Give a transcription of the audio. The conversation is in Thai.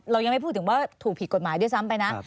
เรายังไม่พูดถึงว่าถูกผิดกฎหมายด้วยซ้ำไปนะ